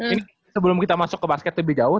ini sebelum kita masuk ke basket lebih jauh